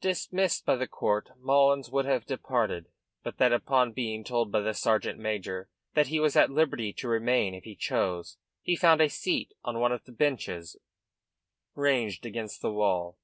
Dismissed by the court, Mullins would have departed, but that upon being told by the sergeant major that he was at liberty to remain if he chose he found a seat on one of the benches ranged against the wall.